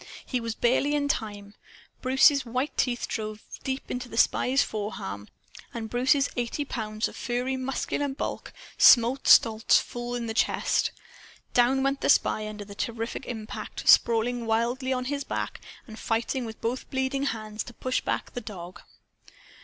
He was barely in time. Bruce's white teeth drove deep into the spy's forearm, and Bruce's eighty pounds of furry muscular bulk smote Stolz full in the chest. Down went the spy, under the terrific impact, sprawling wildly on his back, and fighting with both bleeding hands to push back the dog.